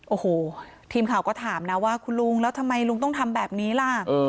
โอ้โหทีมข่าวก็ถามนะว่าคุณลุงแล้วทำไมลุงต้องทำแบบนี้ล่ะ